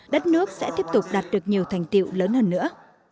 đất nước sẽ tiếp tục đạt được nhiều thành tiệu lớn hơn nữa